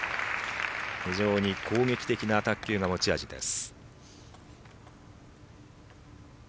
非常に攻撃的な卓球が持ち味です。